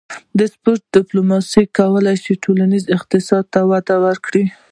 د سپورت ډیپلوماسي کولی شي ټولنیز او اقتصادي وده وکړي